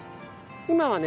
今はね